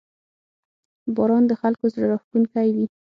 • باران د خلکو زړه راښکونکی وي.